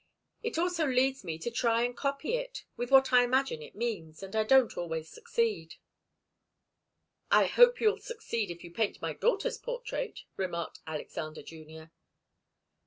"It also leads me to try and copy it, with what I imagine it means, and I don't always succeed." "I hope you'll succeed if you paint my daughter's portrait," remarked Alexander Junior.